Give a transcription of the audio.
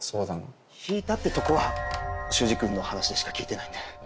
ひいたってとこは秀司君の話しか聞いてないんで。